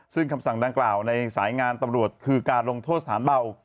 ซึ่งคำสั่งดังกล่าวในสายงานตำรวจคือการลงโทษสถานเบา